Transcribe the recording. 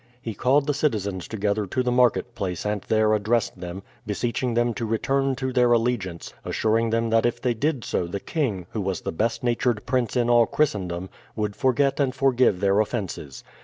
He called the citizens together to the market place and there addressed them, beseeching them to return to their allegiance, assuring them that if they did so the king, who was the best natured prince in all Christendom, would forget and forgive their offenses.